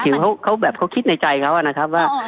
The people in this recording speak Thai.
คือหมายถึงเขาแบบเขาคิดในใจเขาอ่ะนะครับว่าอ๋อ